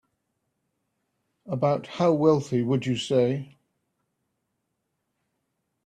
About how wealthy would you say?